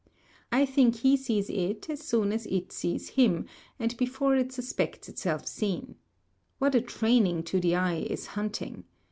I think he sees it as soon as it sees him, and before it suspects itself seen. What a training to the eye is hunting!